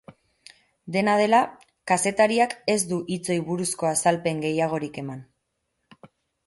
Dena dela, kazetariak ez du hitzoi buruzko azalpen gehiagorik eman.